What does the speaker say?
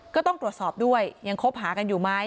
ก็ต้องตรวจสอบด้วยยังคบหากันอยู่ไหม